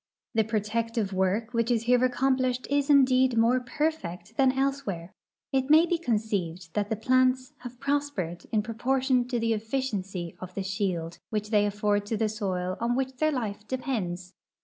The pro tective w'ork which is here accomplished is indeed more perfect than elsewhere. It may be conceived that the plants have pros pered in proportion to the efficiency of the shield which they afford to the soil on which their life depends.